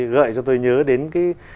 gợi cho tôi nhớ đến cái